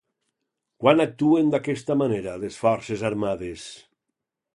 Quan actuen d'aquesta manera les forces armades?